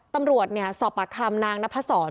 ตำรวจเนี่ยสอบปรักษ์คำนางนพสร